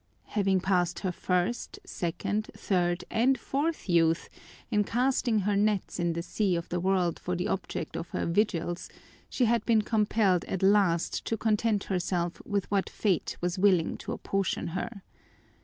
Having passed her first, second, third, and fourth youth in casting her nets in the sea of the world for the object of her vigils, she had been compelled at last to content herself with what fate was willing to apportion her.